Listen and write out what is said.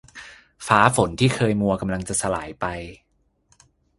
ฟ้าฝนที่เคยมัวกำลังจะสลายไป